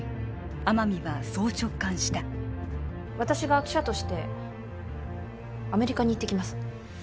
天海はそう直感した私が記者としてアメリカに行ってきます